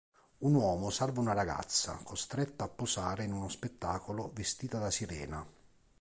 Un uomo salva una ragazza costretta a posare in uno spettacolo vestita da sirena.